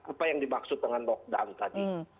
apa yang dimaksud dengan lockdown tadi